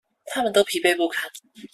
他們都疲憊不堪